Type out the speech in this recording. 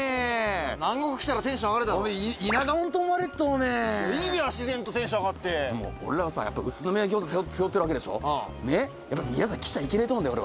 南国来たらテンション上がるだろ田舎もんと思われるぞおめえいいべ自然とテンション上がって俺らさやっぱ宇都宮餃子背負ってるわけでしょやっぱ宮崎来ちゃいけねえと思うんだよ